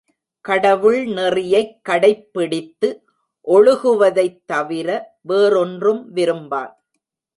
கடவுள் நெறியைக் கடைப்பிடித்து ஒழுகுவதைத் தவிர வேறொன்றும் விரும்பான்.